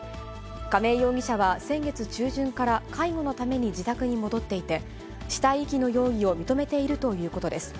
亀井容疑者は、先月中旬から介護のために自宅に戻っていて、死体遺棄の容疑を認めているということです。